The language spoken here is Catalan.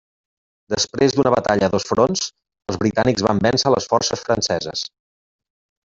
Després d'una batalla a dos fronts, els britànics van vèncer les forces franceses.